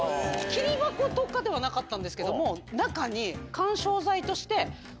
桐箱とかではなかったんですけども中に。として。